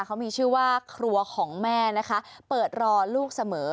เขามีชื่อว่าครัวของแม่นะคะเปิดรอลูกเสมอ